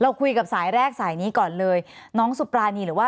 คุยกับสายแรกสายนี้ก่อนเลยน้องสุปรานีหรือว่า